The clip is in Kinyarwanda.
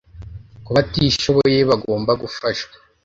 Kubatishoboye bagomba gufashwa